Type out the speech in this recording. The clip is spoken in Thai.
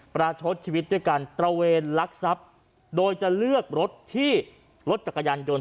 ประชดชีวิตด้วยการตระเวนลักทรัพย์โดยจะเลือกรถที่รถจักรยานยนต์